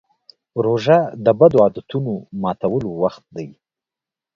روژه د بدو عادتونو ماتولو وخت دی.